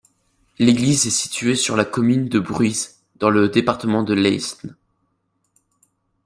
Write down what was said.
L'église est située sur la commune de Bruys, dans le département de l'Aisne.